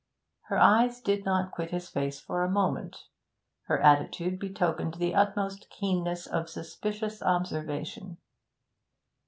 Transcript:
Her eyes did not quit his face for a moment; her attitude betokened the utmost keenness of suspicious observation.